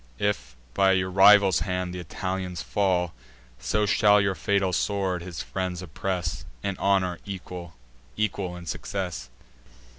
If by your rival's hand th' Italians fall, So shall your fatal sword his friends oppress, In honour equal, equal in success."